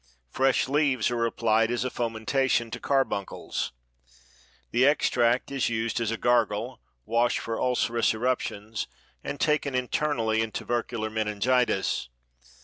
Fresh leaves are applied as a fomentation to carbuncles. The extract is used as a gargle, wash for ulcerous eruptions and taken internally in tubercular meningitis.